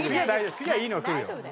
次はいいのがくるよ。